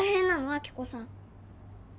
亜希子さん